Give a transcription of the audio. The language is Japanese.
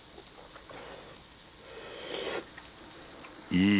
いい！